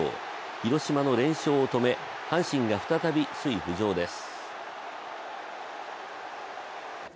広島の連勝を止め阪神が再び首位浮上です。